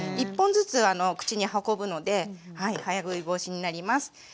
１本ずつ口に運ぶので早食い防止になります。